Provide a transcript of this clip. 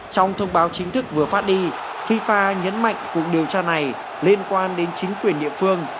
trong thông báo chính thức vừa phát đi fifa nhấn mạnh cuộc điều tra này liên quan đến chính quyền địa phương